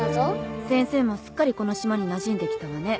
先生もすっかりこの島になじんできたわね。